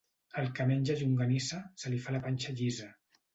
Al que menja llonganissa, se li fa la panxa llisa.